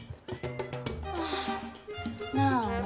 ああなに？